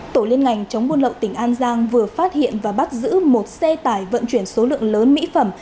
tổ liên ngành chống buôn lậu tỉnh an giang vừa phát hiện và bắt giữ một xe tải vận chuyển số lượng lớn mỹ phẩm